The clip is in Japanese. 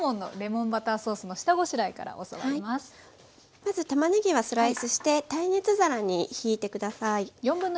まずたまねぎはスライスして耐熱皿にひいて下さい。